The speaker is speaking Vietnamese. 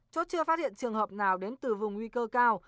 chốt chưa phát hiện trường hợp nào đến từ vùng nguy cơ cao